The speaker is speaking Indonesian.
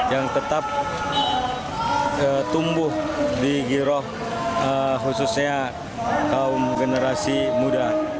yang tetap tumbuh di giroh khususnya kaum generasi muda